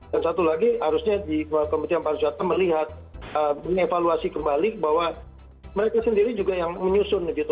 dan satu lagi harusnya di kementerian pariwisata melihat mengevaluasi kembali bahwa mereka sendiri juga yang menyusun